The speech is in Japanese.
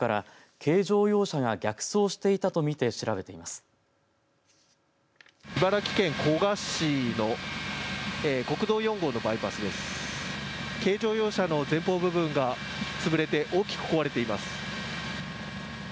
軽乗用車の前方部分がつぶれて大きく壊れています。